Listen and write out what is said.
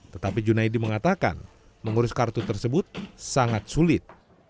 tetapi junaidi mengatakan mengurus kartu tersebut sangat sulit